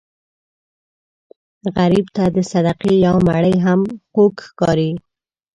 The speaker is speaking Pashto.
غریب ته د صدقې یو مړۍ هم خوږ ښکاري